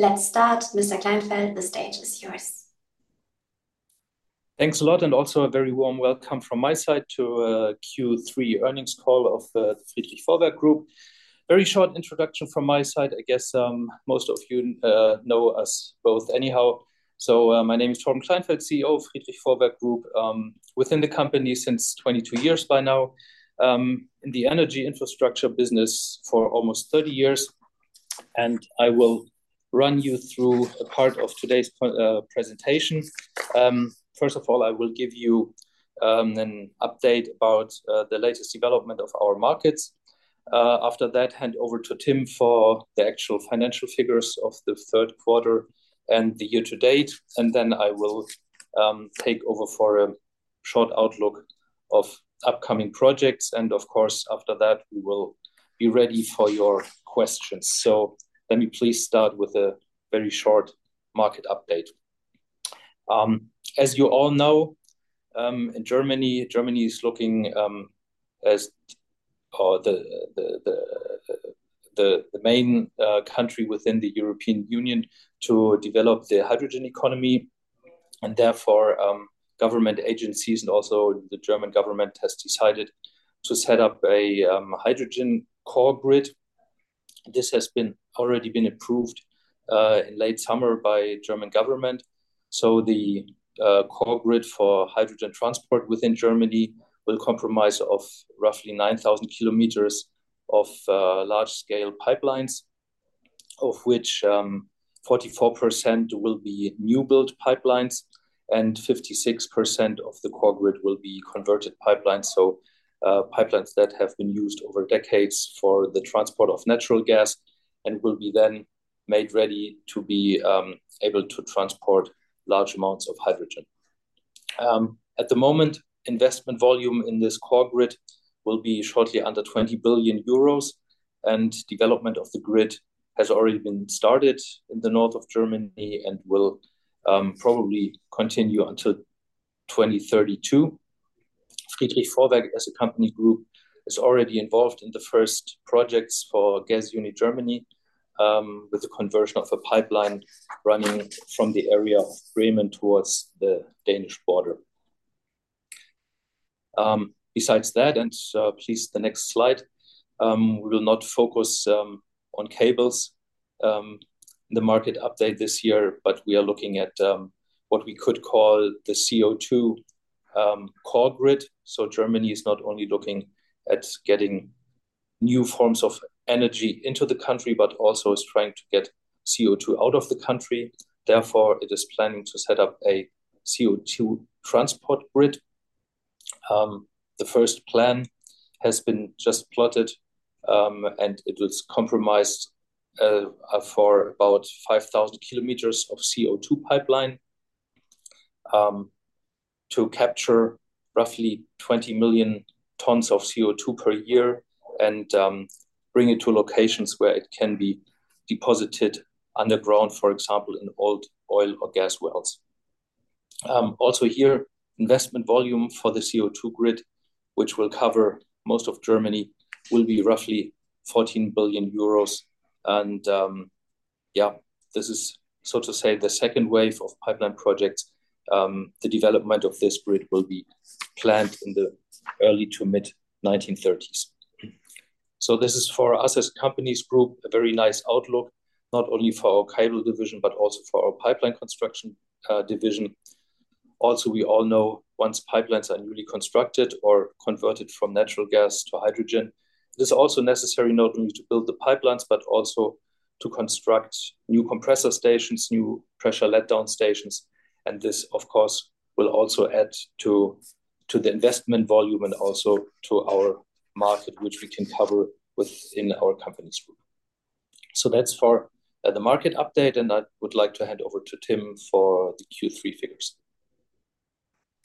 Let's start. Mr. Kleinfeldt, the stage is yours. Thanks a lot, and also a very warm welcome from my side to Q3 earnings call of the Friedrich Vorwerk Group. Very short introduction from my side. I guess most of you know us both anyhow. So my name is Torben Kleinfeldt, CEO of Friedrich Vorwerk Group, within the company since 22 years by now, in the energy infrastructure business for almost 30 years. And I will run you through a part of today's presentation. First of all, I will give you an update about the latest development of our markets. After that, hand over to Tim for the actual financial figures of the third quarter and the year to date. And then I will take over for a short outlook of upcoming projects. And of course, after that, we will be ready for your questions. So let me please start with a very short market update. As you all know, in Germany, Germany is looking as the main country within the European Union to develop the hydrogen economy and therefore, government agencies and also the German government has decided to set up a Hydrogen Core Grid. This has already been approved in late summer by the German government. The core grid for hydrogen transport within Germany will comprise of roughly 9,000 km of large-scale pipelines, of which 44% will be new-built pipelines and 56% of the core grid will be converted pipelines. Pipelines that have been used over decades for the transport of natural gas and will be then made ready to be able to transport large amounts of hydrogen. At the moment, investment volume in this core grid will be shortly under 20 billion euros. Development of the grid has already been started in the north of Germany and will probably continue until 2032. Friedrich Vorwerk, as a company group, is already involved in the first projects for Gasunie Germany with the conversion of a pipeline running from the area of Bremen towards the Danish border. Besides that, and please the next slide, we will not focus on cables in the market update this year, but we are looking at what we could call the CO2 Core Grid. Germany is not only looking at getting new forms of energy into the country, but also is trying to get CO2 out of the country. Therefore, it is planning to set up a CO2 transport grid. The first plan has been just plotted, and it was comprised of about 5,000 km of CO2 pipeline to capture roughly 20 million tons of CO2 per year and bring it to locations where it can be deposited underground, for example, in old oil or gas wells. Also here, investment volume for the CO2 grid, which will cover most of Germany, will be roughly 14 billion euros. And yeah, this is so to say the second wave of pipeline projects. The development of this grid will be planned in the early to mid-2030s. So this is for us as a company group, a very nice outlook, not only for our cable division, but also for our pipeline construction division. Also, we all know once pipelines are newly constructed or converted from natural gas to hydrogen, it is also necessary not only to build the pipelines, but also to construct new compressor stations, new pressure letdown stations. And this, of course, will also add to the investment volume and also to our market, which we can cover within our company group. So that's for the market update, and I would like to hand over to Tim for the Q3 figures.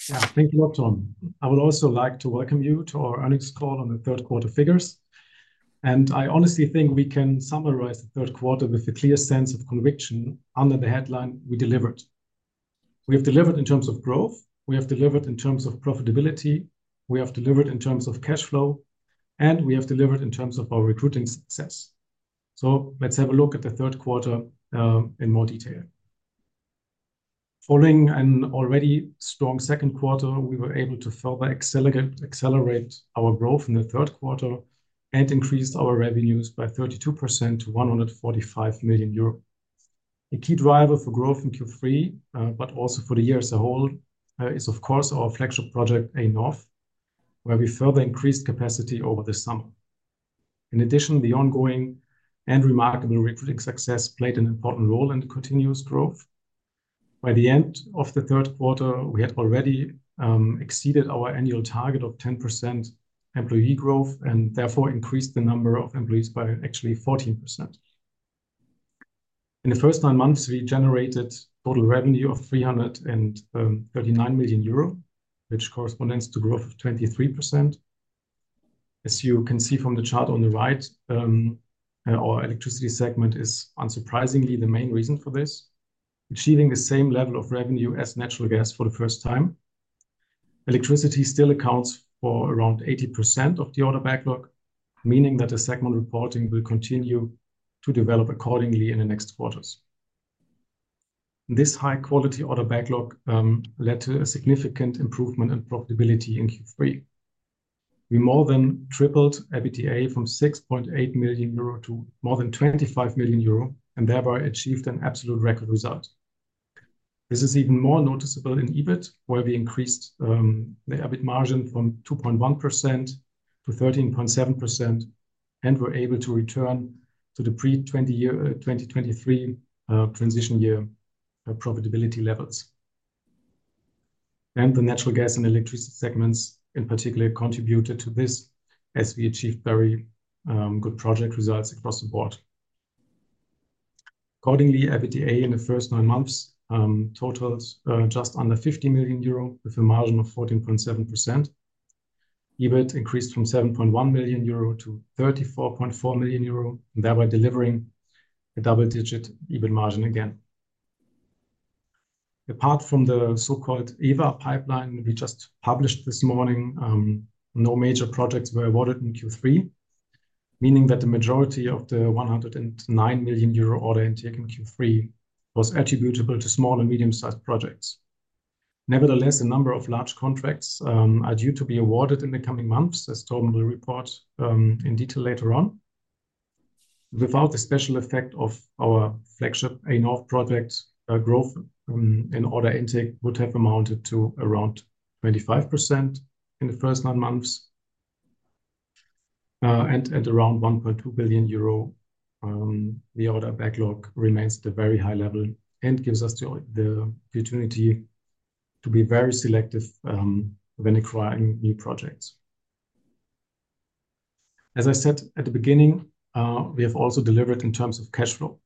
Yeah, thank you a lot, Torben. I would also like to welcome you to our earnings call on the third quarter figures. And I honestly think we can summarize the third quarter with a clear sense of conviction under the headline we delivered. We have delivered in terms of growth. We have delivered in terms of profitability. We have delivered in terms of cash flow, and we have delivered in terms of our recruiting success. So let's have a look at the third quarter in more detail. Following an already strong second quarter, we were able to further accelerate our growth in the third quarter and increased our revenues by 32% to 145 million euro. A key driver for growth in Q3, but also for the year as a whole, is of course our flagship project A-Nord, where we further increased capacity over the summer. In addition, the ongoing and remarkable recruiting success played an important role in the continuous growth. By the end of the third quarter, we had already exceeded our annual target of 10% employee growth and therefore increased the number of employees by actually 14%. In the first nine months, we generated total revenue of 339 million euro, which corresponds to a growth of 23%. As you can see from the chart on the right, our electricity segment is unsurprisingly the main reason for this, achieving the same level of revenue as natural gas for the first time. Electricity still accounts for around 80% of the order backlog, meaning that the segment reporting will continue to develop accordingly in the next quarters. This high-quality order backlog led to a significant improvement in profitability in Q3. We more than tripled EBITDA from 6.8 million euro to more than 25 million euro and thereby achieved an absolute record result. This is even more noticeable in EBIT, where we increased the EBIT margin from 2.1% to 13.7% and were able to return to the pre-2023 transition year profitability levels. And the natural gas and electricity segments in particular contributed to this as we achieved very good project results across the board. Accordingly, EBITDA in the first nine months totaled just under 50 million euro with a margin of 14.7%. EBIT increased from 7.1 million euro to 34.4 million euro, thereby delivering a double-digit EBIT margin again. Apart from the so-called EWA pipeline we just published this morning, no major projects were awarded in Q3, meaning that the majority of the 109 million euro order intake in Q3 was attributable to small and medium-sized projects. Nevertheless, a number of large contracts are due to be awarded in the coming months, as Torben will report in detail later on. Without the special effect of our flagship A-Nord project, growth in order intake would have amounted to around 25% in the first nine months. And at around 1.2 billion euro, the order backlog remains at a very high level and gives us the opportunity to be very selective when acquiring new projects. As I said at the beginning, we have also delivered in terms of cash flow.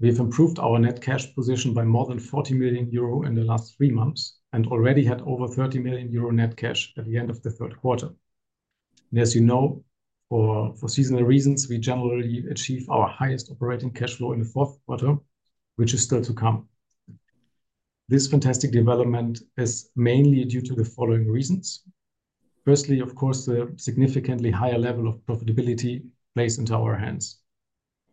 We have improved our net cash position by more than 40 million euro in the last three months and already had over 30 million euro net cash at the end of the third quarter. And as you know, for seasonal reasons, we generally achieve our highest operating cash flow in the fourth quarter, which is still to come. This fantastic development is mainly due to the following reasons. Firstly, of course, the significantly higher level of profitability placed into our hands.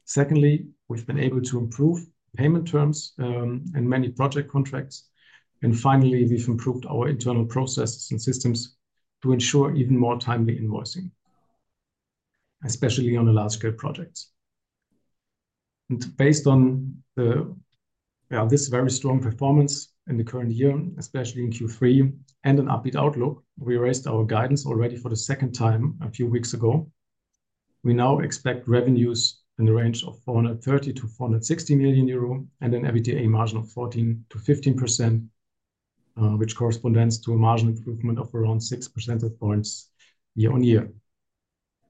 Secondly, we've been able to improve payment terms in many project contracts. And finally, we've improved our internal processes and systems to ensure even more timely invoicing, especially on the large-scale projects. And based on this very strong performance in the current year, especially in Q3 and an upbeat outlook, we raised our guidance already for the second time a few weeks ago. We now expect revenues in the range of 430 million-460 million euro and an EBITDA margin of 14%-15%, which corresponds to a margin improvement of around 6 percentage points year on year.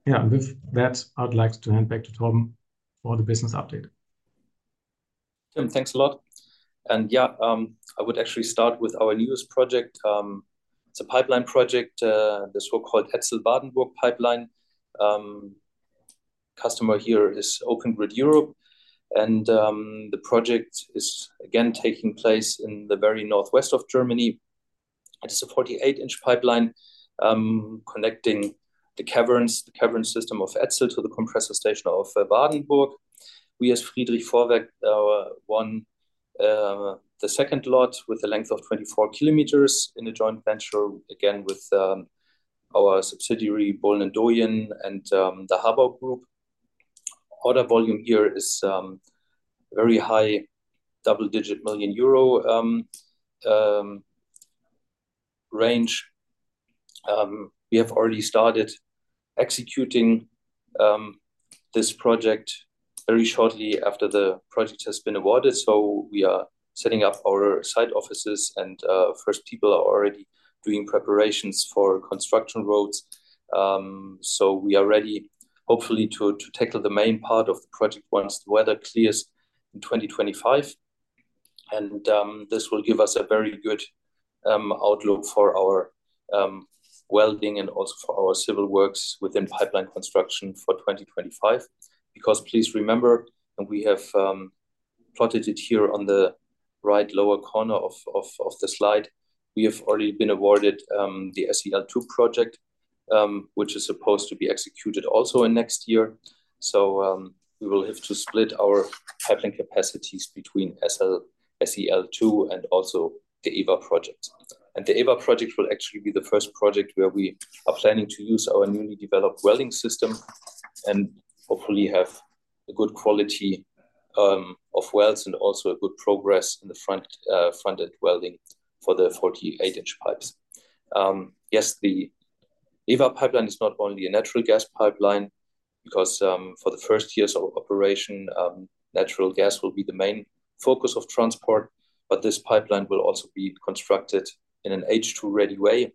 Yeah, and with that, I'd like to hand back to Torben for the business update. Tim, thanks a lot. And yeah, I would actually start with our newest project. It's a pipeline project, the so-called Etzel-Wardenburg pipeline. Customer here is Open Grid Europe. And the project is again taking place in the very northwest of Germany. It is a 48-inch pipeline connecting the caverns, the cavern system of Etzel to the compressor station of Wardenburg. We, as Friedrich Vorwerk, won the second lot with a length of 24 km in a joint venture, again with our subsidiary Bohlen & Doyen and the HABAU Group. Order volume here is very high, double-digit million euro range. We have already started executing this project very shortly after the project has been awarded. So we are setting up our site offices, and first people are already doing preparations for construction roads. So we are ready, hopefully, to tackle the main part of the project once the weather clears in 2025. And this will give us a very good outlook for our welding and also for our civil works within pipeline construction for 2025. Because please remember, and we have plotted it here on the right lower corner of the slide, we have already been awarded the SEL2 project, which is supposed to be executed also in next year. So we will have to split our pipeline capacities between SEL2 and also the EWA project. And the EWA project will actually be the first project where we are planning to use our newly developed welding system and hopefully have a good quality of welds and also a good progress in the front-end welding for the 48-inch pipes. Yes, the EWA pipeline is not only a natural gas pipeline because for the first years of operation, natural gas will be the main focus of transport, but this pipeline will also be constructed in an H2-ready way,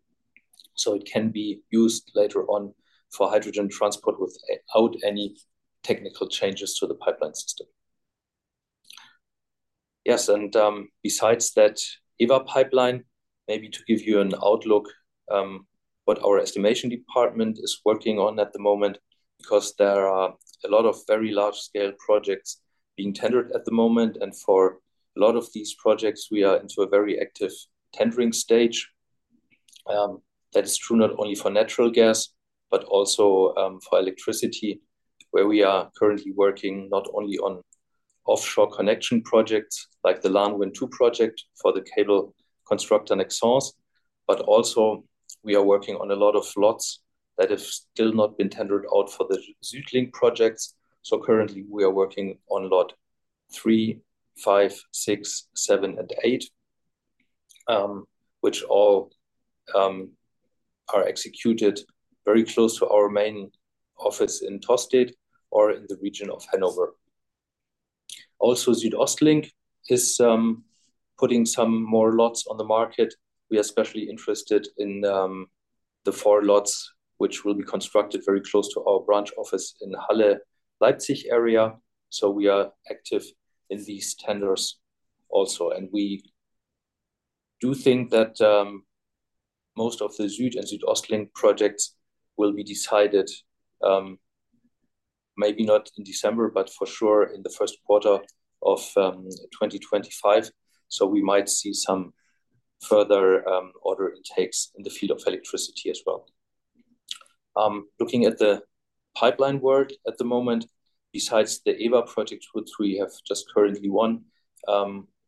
so it can be used later on for hydrogen transport without any technical changes to the pipeline system. Yes, and besides that EWA pipeline, maybe to give you an outlook what our estimation department is working on at the moment, because there are a lot of very large-scale projects being tendered at the moment, and for a lot of these projects, we are into a very active tendering stage. That is true not only for natural gas, but also for electricity, where we are currently working not only on offshore connection projects like the LanWin2 project for the cable constructor Nexans, but also we are working on a lot of lots that have still not been tendered out for the SüdLink projects. So currently, we are working on lot 3, 5, 6, 7, and 8, which all are executed very close to our main office in Tostedt or in the region of Hanover. Also, SüdOstLink is putting some more lots on the market. We are especially interested in the four lots, which will be constructed very close to our branch office in Halle, Leipzig area. So we are active in these tenders also. We do think that most of the SüdLink and SüdOstLink projects will be decided maybe not in December, but for sure in the first quarter of 2025. We might see some further order intakes in the field of electricity as well. Looking at the pipeline work at the moment, besides the EWA project, which we have just currently won,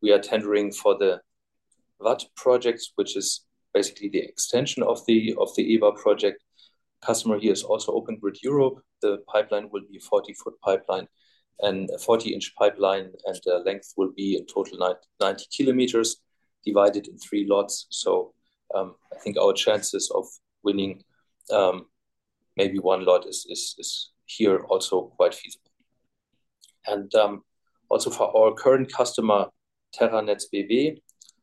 we are tendering for the WAD projects, which is basically the extension of the EWA project. Customer here is also Open Grid Europe. The pipeline will be a 40-inch pipeline and a 40-inch pipeline, and the length will be in total 90 km divided in three lots. I think our chances of winning maybe one lot is here also quite feasible. Also for our current customer, Terranets BW,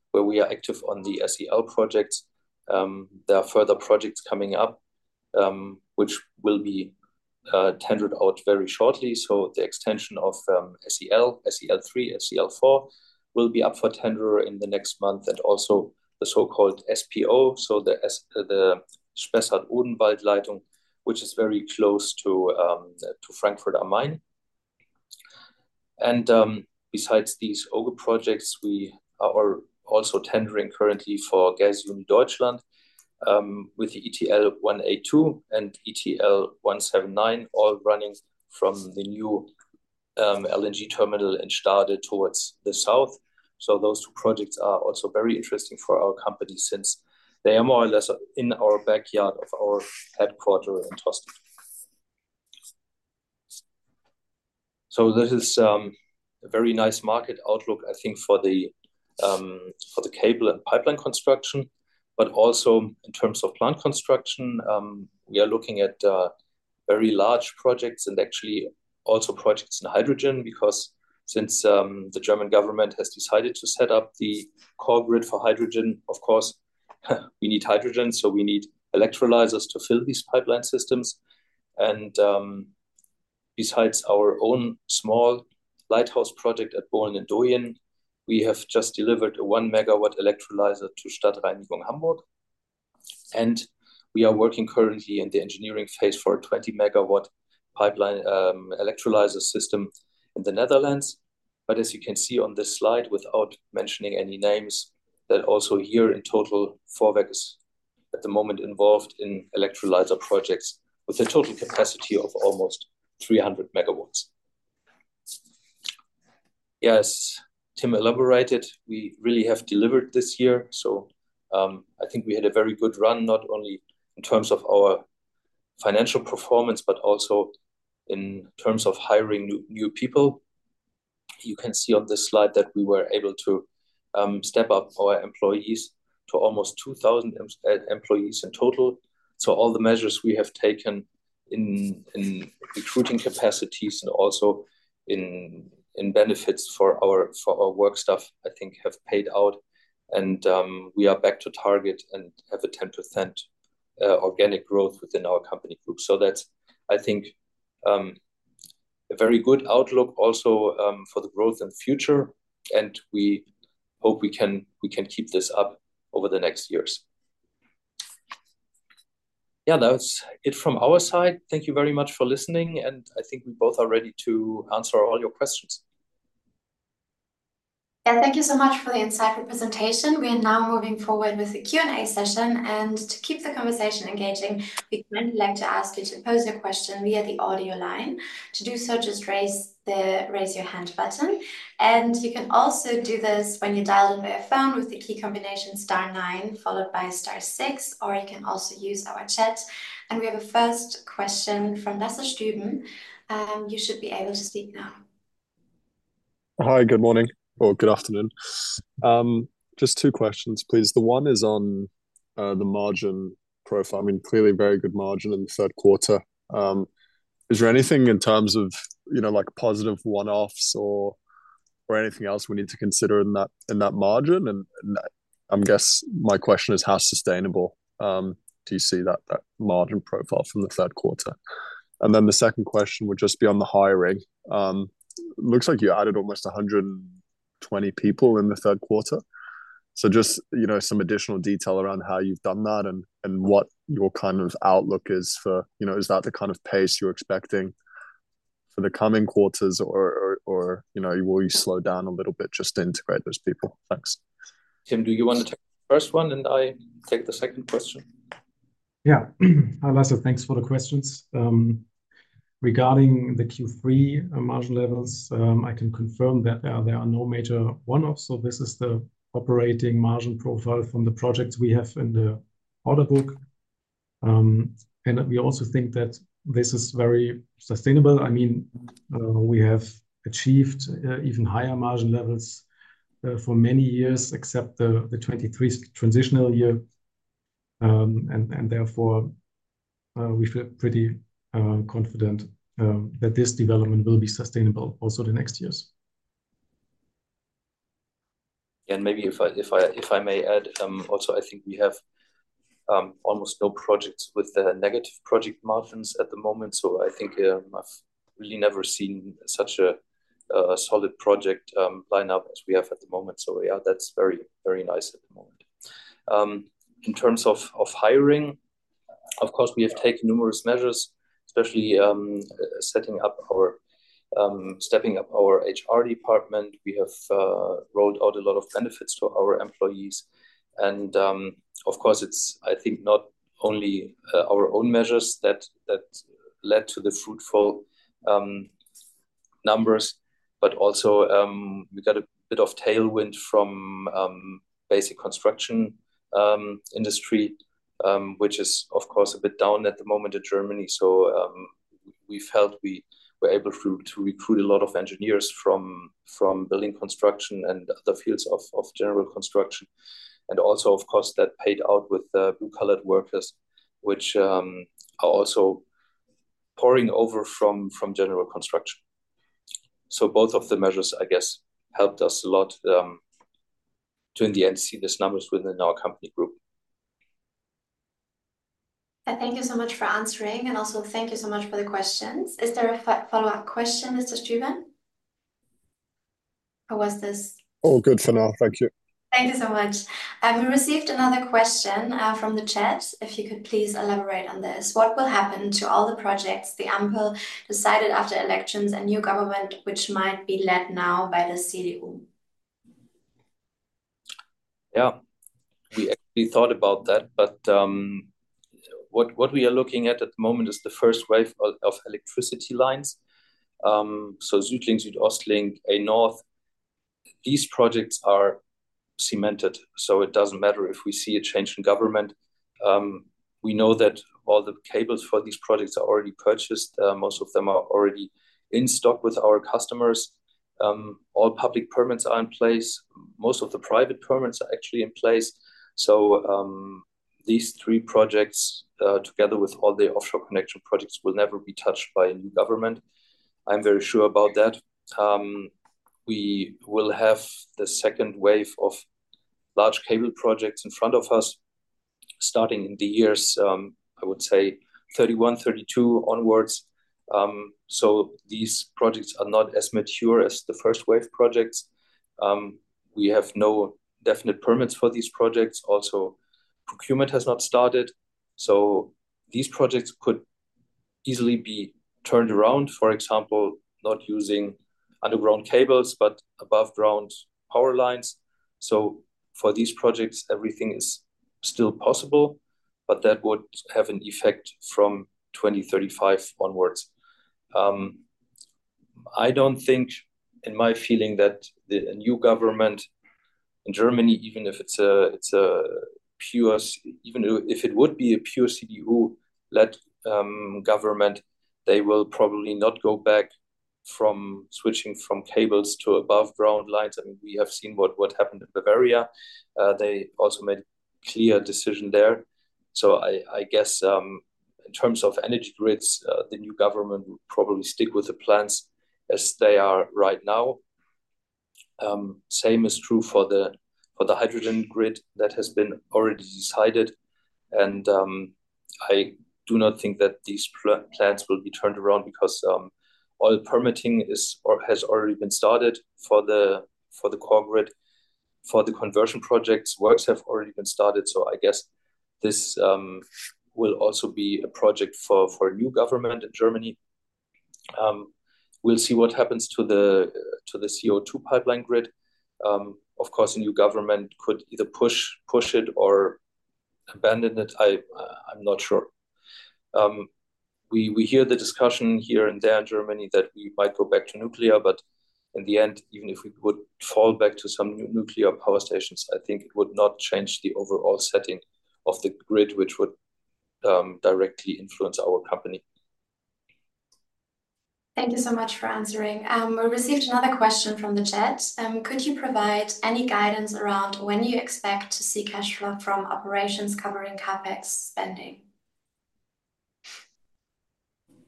where we are active on the SEL projects, there are further projects coming up, which will be tendered out very shortly. The extension of SEL, SEL3, SEL4 will be up for tender in the next month, and also the so-called SPO, so the Spessart-Odenwald-Leitung, which is very close to Frankfurt am Main. Besides these OGE projects, we are also tendering currently for Gasunie Deutschland with ETL 182 and ETL 179, all running from the new LNG terminal in Stade towards the south. Those two projects are also very interesting for our company since they are more or less in our backyard of our headquarters in Tostedt. So this is a very nice market outlook, I think, for the cable and pipeline construction, but also in terms of plant construction, we are looking at very large projects and actually also projects in hydrogen, because since the German government has decided to set up the core grid for hydrogen, of course, we need hydrogen, so we need electrolyzers to fill these pipeline systems. And besides our own small lighthouse project at Bohlen & Doyen, we have just delivered a one-megawatt electrolyzer to Stadtreinigung Hamburg. And we are working currently in the engineering phase for a 20-megawatt pipeline electrolyzer system in the Netherlands. But as you can see on this slide, without mentioning any names, that also here in total, Vorwerk is at the moment involved in electrolyzer projects with a total capacity of almost 300 megawatts. Yes, Tim elaborated. We really have delivered this year. So I think we had a very good run, not only in terms of our financial performance, but also in terms of hiring new people. You can see on this slide that we were able to step up our employees to almost 2,000 employees in total. So all the measures we have taken in recruiting capacities and also in benefits for our work staff, I think, have paid out. And we are back to target and have a 10% organic growth within our company group. So that's, I think, a very good outlook also for the growth in the future. And we hope we can keep this up over the next years. Yeah, that's it from our side. Thank you very much for listening. And I think we both are ready to answer all your questions. Yeah, thank you so much for the insightful presentation. We are now moving forward with the Q&A session. And to keep the conversation engaging, we'd kindly like to ask you to pose your question via the audio line. To do so, just raise your hand button. And you can also do this when you're dialed in via phone with the key combination star 9 followed by star 6, or you can also use our chat. And we have a first question from Lasse Stüben. You should be able to speak now. Hi, good morning or good afternoon. Just two questions, please. The one is on the margin profile. I mean, clearly very good margin in the third quarter. Is there anything in terms of positive one-offs or anything else we need to consider in that margin? And I guess my question is, how sustainable do you see that margin profile from the third quarter? And then the second question would just be on the hiring. Looks like you added almost 120 people in the third quarter. So just some additional detail around how you've done that and what your kind of outlook is for, is that the kind of pace you're expecting for the coming quarters, or will you slow down a little bit just to integrate those people? Thanks. Tim, do you want to take the first one and I take the second question? Yeah. Hi, Lasse. Thanks for the questions. Regarding the Q3 margin levels, I can confirm that there are no major one-offs, so this is the operating margin profile from the projects we have in the order book, and we also think that this is very sustainable. I mean, we have achieved even higher margin levels for many years, except the 2023 transitional year, and therefore, we feel pretty confident that this development will be sustainable also the next years. Yeah, and maybe if I may add also, I think we have almost no projects with negative project margins at the moment. So I think I've really never seen such a solid project lineup as we have at the moment. So yeah, that's very, very nice at the moment. In terms of hiring, of course, we have taken numerous measures, especially stepping up our HR department. We have rolled out a lot of benefits to our employees. And of course, it's, I think, not only our own measures that led to the fruitful numbers, but also we got a bit of tailwind from the basic construction industry, which is, of course, a bit down at the moment in Germany. So we felt we were able to recruit a lot of engineers from building construction and other fields of general construction. And also, of course, that paid out with the blue-collar workers, which are also pouring over from general construction. So both of the measures, I guess, helped us a lot to, in the end, see these numbers within our company group. Thank you so much for answering. Also, thank you so much for the questions. Is there a follow-up question, Mr. Stüben? Or was this? All good for now. Thank you. Thank you so much. We received another question from the chat. If you could please elaborate on this. What will happen to all the projects the Ampel decided after elections and new government, which might be led now by the CDU? Yeah, we actually thought about that. But what we are looking at at the moment is the first wave of electricity lines. So SüdLink, SüdOstLink, A-Nord, these projects are cemented. So it doesn't matter if we see a change in government. We know that all the cables for these projects are already purchased. Most of them are already in stock with our customers. All public permits are in place. Most of the private permits are actually in place. So these three projects, together with all the offshore connection projects, will never be touched by a new government. I'm very sure about that. We will have the second wave of large cable projects in front of us starting in the years, I would say, 2031, 2032 onwards. So these projects are not as mature as the first wave projects. We have no definite permits for these projects. Also, procurement has not started. So these projects could easily be turned around, for example, not using underground cables, but above-ground power lines. So for these projects, everything is still possible, but that would have an effect from 2035 onwards. I don't think, in my feeling, that the new government in Germany, even if it's a pure, even if it would be a pure CDU-led government, they will probably not go back from switching from cables to above-ground lines. I mean, we have seen what happened in Bavaria. They also made a clear decision there. So I guess in terms of energy grids, the new government will probably stick with the plans as they are right now. Same is true for the hydrogen grid that has been already decided. I do not think that these plans will be turned around because all permitting has already been started for the core grid. For the conversion projects, works have already been started. I guess this will also be a project for a new government in Germany. We'll see what happens to the CO2 pipeline grid. Of course, a new government could either push it or abandon it. I'm not sure. We hear the discussion here and there in Germany that we might go back to nuclear, but in the end, even if we would fall back to some nuclear power stations, I think it would not change the overall setting of the grid, which would directly influence our company. Thank you so much for answering. We received another question from the chat. Could you provide any guidance around when you expect to see cash flow from operations covering CapEx spending?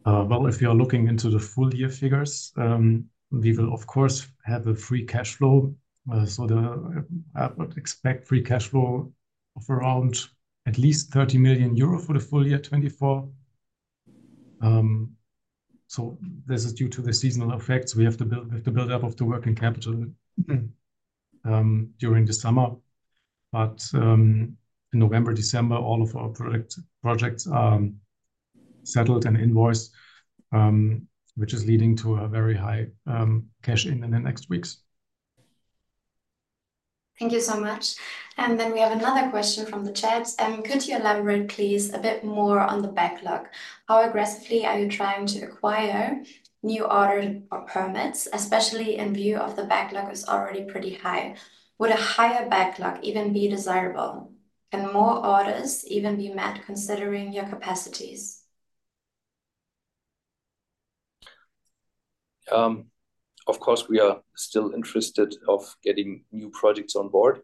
If you're looking into the full year figures, we will, of course, have a free cash flow. I would expect free cash flow of around at least 30 million euro for the full year 2024. This is due to the seasonal effects. We have the buildup of the working capital during the summer. In November, December, all of our projects are settled and invoiced, which is leading to a very high cash in the next weeks. Thank you so much. And then we have another question from the chat. Could you elaborate, please, a bit more on the backlog? How aggressively are you trying to acquire new orders or permits, especially in view of the backlog is already pretty high? Would a higher backlog even be desirable? Can more orders even be met considering your capacities? Of course, we are still interested in getting new projects on board.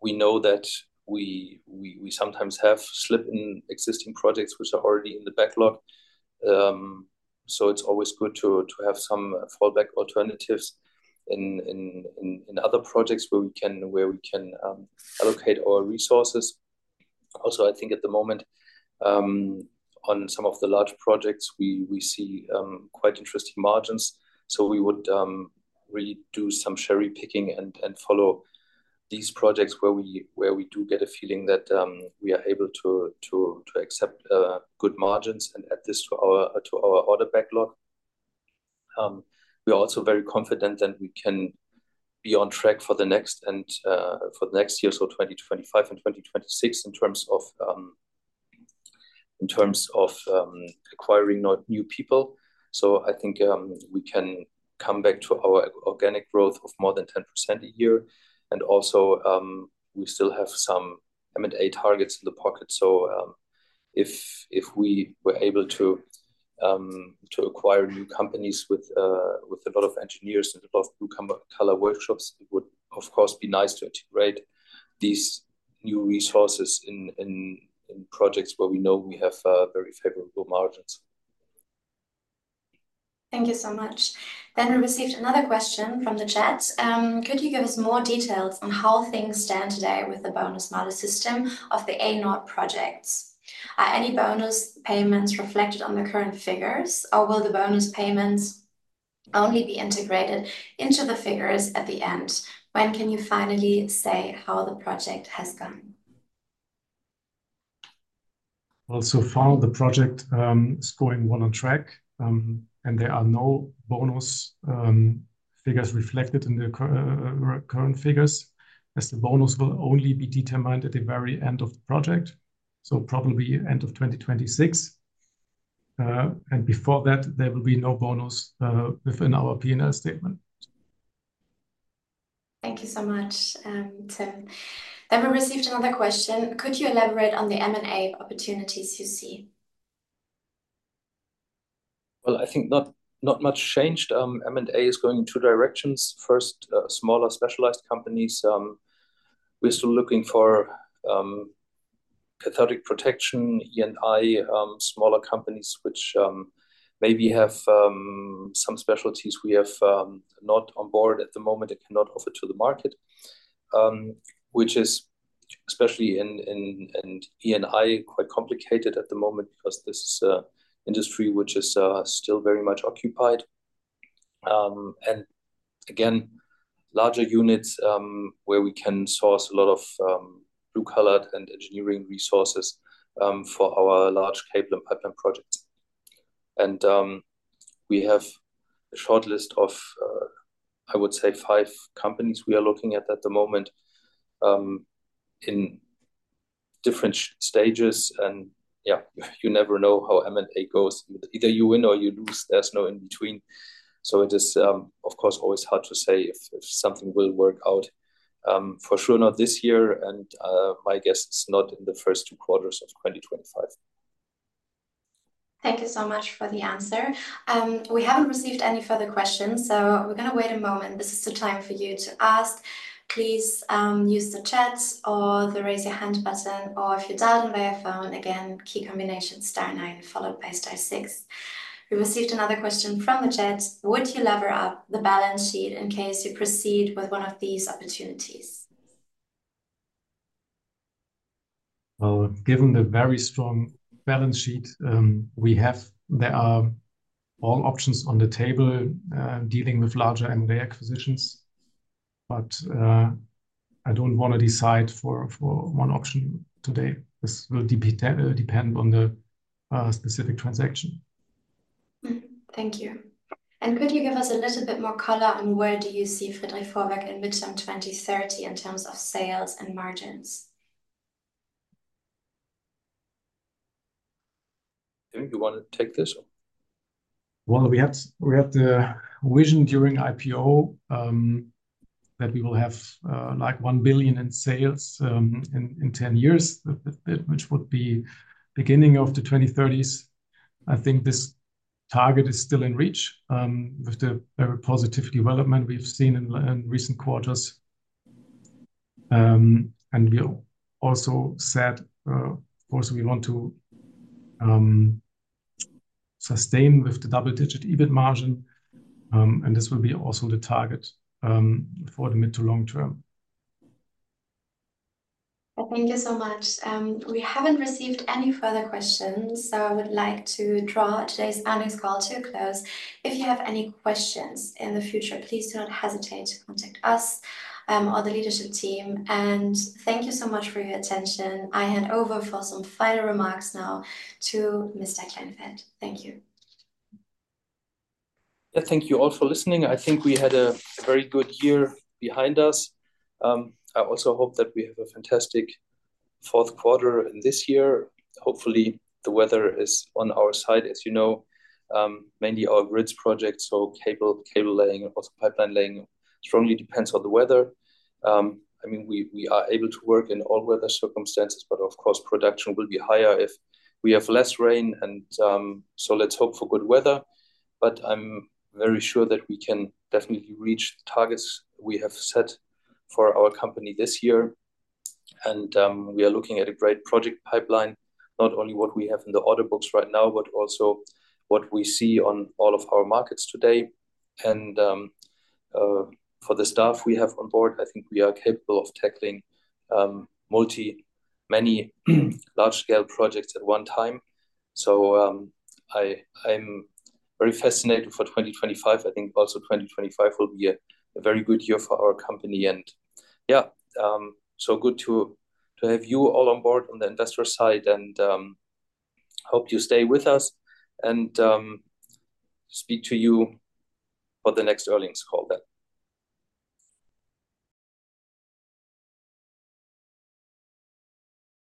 We know that we sometimes have slipped in existing projects which are already in the backlog. So it's always good to have some fallback alternatives in other projects where we can allocate our resources. Also, I think at the moment, on some of the large projects, we see quite interesting margins. So we would really do some cherry picking and follow these projects where we do get a feeling that we are able to accept good margins and add this to our order backlog. We are also very confident that we can be on track for the next year or so, 2025 and 2026, in terms of acquiring new people. So I think we can come back to our organic growth of more than 10% a year. And also, we still have some M&A targets in the pocket. So if we were able to acquire new companies with a lot of engineers and a lot of blue-collar workshops, it would, of course, be nice to integrate these new resources in projects where we know we have very favorable margins. Thank you so much. Then we received another question from the chat. Could you give us more details on how things stand today with the bonus model system of the A-Nord projects? Are any bonus payments reflected on the current figures, or will the bonus payments only be integrated into the figures at the end? When can you finally say how the project has gone? So far, the project is going well on track. There are no bonus figures reflected in the current figures, as the bonus will only be determined at the very end of the project, so probably end of 2026. Before that, there will be no bonus within our P&L statement. Thank you so much, Tim. Then we received another question. Could you elaborate on the M&A opportunities you see? I think not much changed. M&A is going in two directions. First, smaller specialized companies. We're still looking for cathodic protection, E&I, smaller companies which maybe have some specialties we have not on board at the moment and cannot offer to the market, which is especially in E&I quite complicated at the moment because this is an industry which is still very much occupied. Larger units where we can source a lot of blue-collar and engineering resources for our large cable and pipeline projects. We have a short list of, I would say, five companies we are looking at the moment in different stages. Yeah, you never know how M&A goes. Either you win or you lose. There's no in between. It is, of course, always hard to say if something will work out for sure, not this year. My guess is not in the first two quarters of 2025. Thank you so much for the answer. We haven't received any further questions, so we're going to wait a moment. This is the time for you to ask. Please use the chat or the raise your hand button, or if you're dialed in via phone, again, key combination star nine followed by star six. We received another question from the chat. Would you lever up the balance sheet in case you proceed with one of these opportunities? Given the very strong balance sheet we have, there are all options on the table dealing with larger M&A acquisitions. I don't want to decide for one option today. This will depend on the specific transaction. Thank you. Could you give us a little bit more color on where do you see Friedrich Vorwerk in midterm 2030 in terms of sales and margins? Tim, you want to take this? We had the vision during IPO that we will have like 1 billion in sales in 10 years, which would be the beginning of the 2030s. I think this target is still in reach with the very positive development we've seen in recent quarters. We also said, of course, we want to sustain with the double-digit EBIT margin. This will be also the target for the mid to long term. Thank you so much. We haven't received any further questions, so I would like to draw today's panel's call to a close. If you have any questions in the future, please do not hesitate to contact us or the leadership team. And thank you so much for your attention. I hand over for some final remarks now to Mr. Kleinfeldt. Thank you. Yeah, thank you all for listening. I think we had a very good year behind us. I also hope that we have a fantastic fourth quarter this year. Hopefully, the weather is on our side, as you know, mainly our grids project. So cable laying and also pipeline laying strongly depends on the weather. I mean, we are able to work in all weather circumstances, but of course, production will be higher if we have less rain. And so let's hope for good weather. But I'm very sure that we can definitely reach the targets we have set for our company this year. And we are looking at a great project pipeline, not only what we have in the order books right now, but also what we see on all of our markets today. For the staff we have on board, I think we are capable of tackling many large-scale projects at one time. I'm very fascinated for 2025. I think also 2025 will be a very good year for our company. Yeah, so good to have you all on board on the investor side and hope you stay with us and speak to you for the next earnings call then.